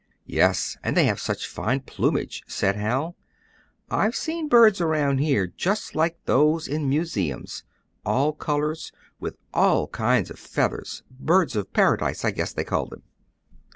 "Yes, and they have such fine plumage," said Hal. "I've seen birds around here just like those in museums, all colors, and with all kinds of feathers Birds of Paradise, I guess they call them."